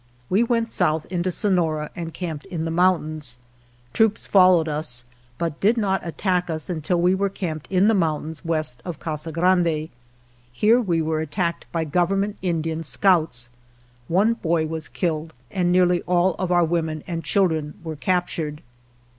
We went south into Sonora and camped in the mountains. Troops followed us, but did not attack us until we were camped in the mountains west of Casa Grande. Here we were attacked by Government Indian scouts. One boy was killed and nearly all of our women and children were captured.